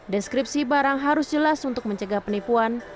deskripsi barang harus jelas untuk mencegah penipuan